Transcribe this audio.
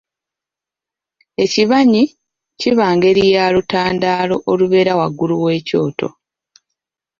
Ekibanyi, kiba ngeri ya lutandaalo olubeera waggulu w'ekyoto.